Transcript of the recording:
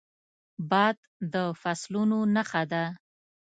باد د فصلونو نښه ده